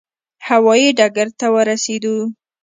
هوا یي ډګر ته ورسېدو.